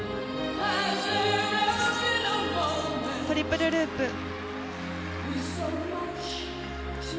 トリプルループ。